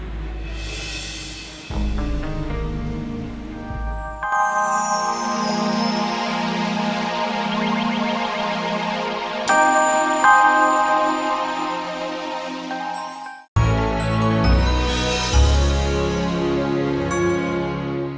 pak chandra akan membongong seendingi